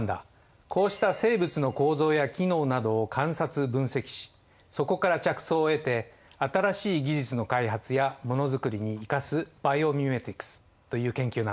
こうした生物の構造や機能などを観察・分析しそこから着想を得て新しい技術の開発やものづくりに生かすバイオミメティクスという研究なんだ。